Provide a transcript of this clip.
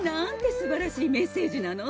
素晴らしいメッセージなの！